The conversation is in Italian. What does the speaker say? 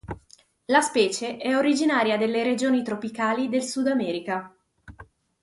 La specie è originaria delle regioni tropicali del Sud America.